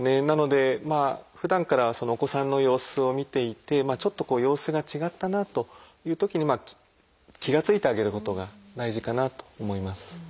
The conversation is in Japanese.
なのでふだんからお子さんの様子を見ていてちょっとこう様子が違ったなというときに気が付いてあげることが大事かなと思います。